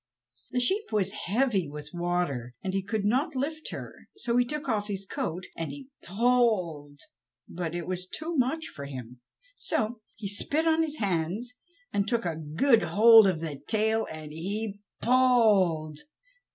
The sheep was heavy with water, and he could not lift her, so he took off his coat and he pulled!! but it was too much for him, so he spit on his hands, and took a good hold of the tail and he PULLED!!